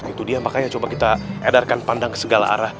itu dia makanya coba kita edarkan pandang ke segala arah